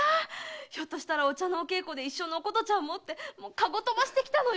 ひょっとしてお茶のお稽古で一緒のお琴ちゃんもってもう駕籠とばして来たのよ！